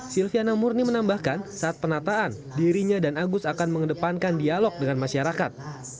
silviana murni menambahkan saat penataan dirinya dan agus akan mengedepankan dialog dengan masyarakat